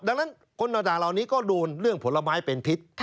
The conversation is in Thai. ดังนั้นคนต่างเหล่านี้ก็โดนเรื่องผลไม้เป็นพิษ